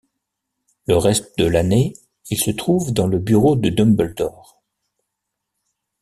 Le reste de l'année, il se trouve dans le bureau de Dumbledore.